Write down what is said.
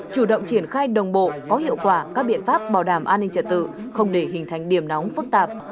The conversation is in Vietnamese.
chủ động triển khai đồng bộ có hiệu quả các biện pháp bảo đảm an ninh trật tự không để hình thành điểm nóng phức tạp